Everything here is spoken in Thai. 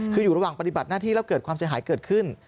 คืออยู่ระหว่างปฏิบัติหน้าที่แล้วเกิดความเสียหายเกิดขึ้น